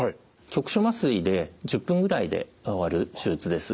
局所麻酔で１０分ぐらいで終わる手術です。